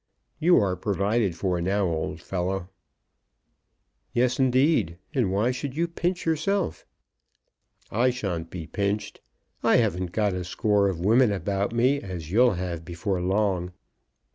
You are provided for now, old fellow." "Yes, indeed; and why should you pinch yourself?" "I shan't be pinched. I haven't got a score of women about me, as you'll have before long.